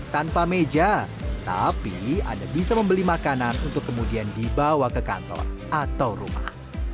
tanpa meja tapi anda bisa membeli makanan untuk kemudian dibawa ke kantor atau rumah